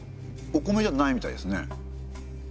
お米じゃないみたいですね。